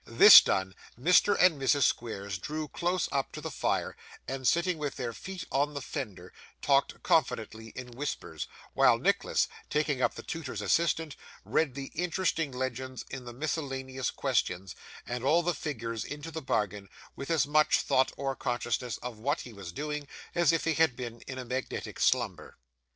This done, Mr. and Mrs. Squeers drew close up to the fire, and sitting with their feet on the fender, talked confidentially in whispers; while Nicholas, taking up the tutor's assistant, read the interesting legends in the miscellaneous questions, and all the figures into the bargain, with as much thought or consciousness of what he was doing, as if he had been in a magnetic slumber.